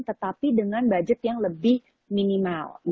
tetapi dengan budget yang lebih minimal